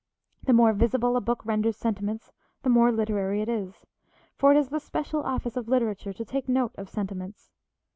The more visible a book renders sentiments the more literary it is, for it is the special office of literature to take note of sentiments.